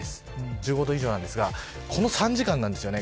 １５度以上ですがこの３時間なんですよね。